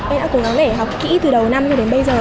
em không thể học kỹ từ đầu năm cho đến bây giờ